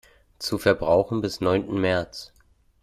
Zu verbrauchen bis neunten März.